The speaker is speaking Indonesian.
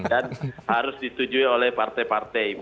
dan harus ditujuin oleh partai partai